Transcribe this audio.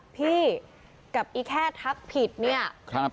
พี่กับอีแค่ทักผิดเนี่ย